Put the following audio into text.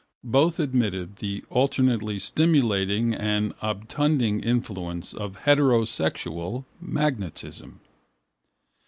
Both admitted the alternately stimulating and obtunding influence of heterosexual magnetism.